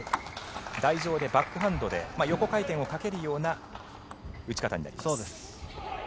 台上でバックハンドで横回転をかけるような打ち方になります。